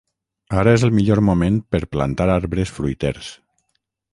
Ara és el millor moment per plantar arbres fruiters.